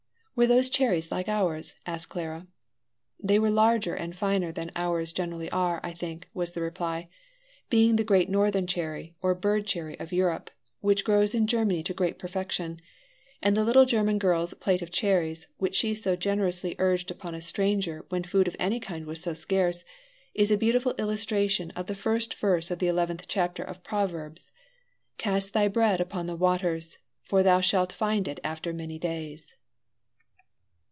"Were those cherries like ours?" asked Clara. "They were larger and finer than ours generally are, I think," was the reply, "being the great northern cherry, or bird cherry, of Europe, which grows in Germany to great perfection. And the little German girl's plate of cherries, which she so generously urged upon a stranger when food of any kind was so scarce, is a beautiful illustration of the first verse of the eleventh chapter of Proverbs: 'Cast thy bread upon the waters; for thou shalt find it after many days.'"